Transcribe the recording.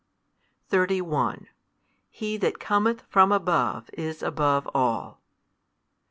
31 He That cometh from above is above all.